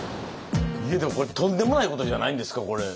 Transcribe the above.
いやでもこれとんでもないことじゃないんですかこれ。